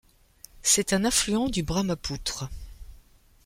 C’est un affluent du Brahmapoutre.